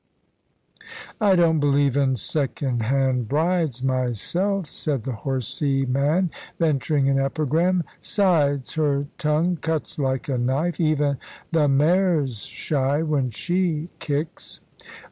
"I don't believe in second hand brides myself," said the horsey man, venturing an epigram. "'Sides, her tongue cuts like a knife. Even the mares shy when she kicks."